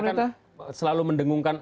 pemerintah selalu mendengungkan